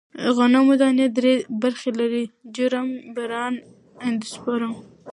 غنمو دانې درې برخې لري: جرم، بران، اندوسپرم.